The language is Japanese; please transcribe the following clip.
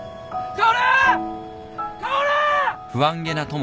薫！